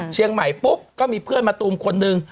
เชียงใหม่ปุ๊บก็มีเพื่อนมาตูมคนหนึ่ง